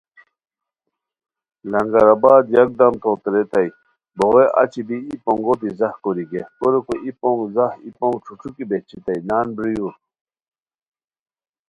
لنگر آباد یکدم توتے ریتائے بو غے اچی بی ای پونگو دی ځاہ کوری گئیے کوریکو ای پونگ ځاہ ای پونگ ݯھو ݯھو کی بہچیتائے نان برییور